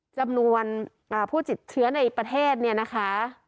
จำนวนผู้ติดเชื้อในประเทศเนี่ยนะคะ